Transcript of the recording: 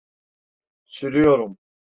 Sürüyorum.